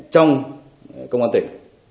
trong công an tỉnh